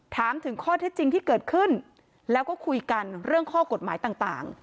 ถามถึงข้อเท็จจริงที่เกิดขึ้นแล้วก็คุยกันเรื่องข้อกฎหมายต่าง